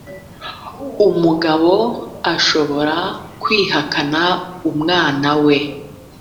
umugabo ashobora kwihakana umwana we